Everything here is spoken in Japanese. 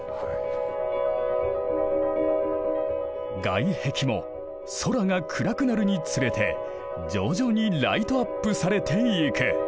外壁も空が暗くなるにつれて徐々にライトアップされていく。